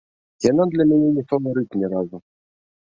Яна для мяне не фаварыт ні разу.